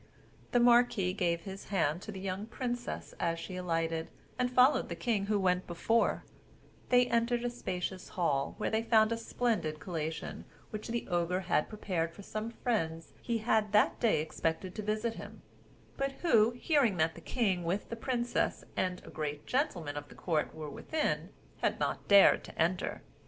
The marquis gave his hand to the young princess as she alighted, and followed the king who went before; they entered a spacious hall, where they found a splendid collation which the Ogre had prepared for some friends he had that day expected to visit him; but who, hearing that the king with the princess and a great gentleman of the court were within, had not dared to enter.